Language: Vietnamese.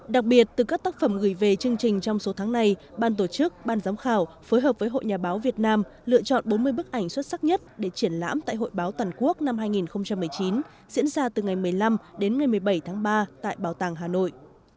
đặc biệt từ các tác phẩm gửi về chương trình trong số tháng này ban tổ chức ban giám khảo phối hợp với hội nhà báo việt nam lựa chọn bốn mươi bức ảnh xuất sắc nhất để triển lãm tại hội báo toàn quốc năm hai nghìn một mươi chín diễn ra từ ngày một mươi năm đến ngày một mươi bảy tháng ba tại bảo tàng hà nội